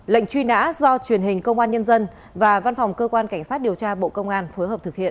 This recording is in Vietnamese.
lệnh truy nã do truyền hình công an nhân dân và văn phòng cơ quan cảnh sát điều tra bộ công an phối hợp thực hiện